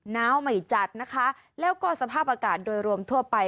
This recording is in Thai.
้าวไม่จัดนะคะแล้วก็สภาพอากาศโดยรวมทั่วไป